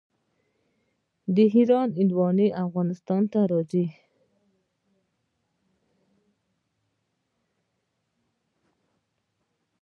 د ایران هندواڼې افغانستان ته راځي.